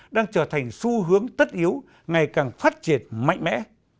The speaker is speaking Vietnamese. đang trở thành xu hướng tất yếu ngày càng phát triển mạnh mẽ